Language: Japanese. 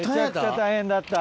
大変やった？